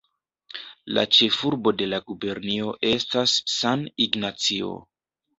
La ĉefurbo de la gubernio estas San Ignacio.